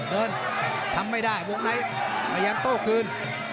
เดินทำไม่ได้โบ๊คไนท์พยายามโตคืน